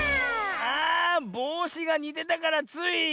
あぼうしがにてたからつい。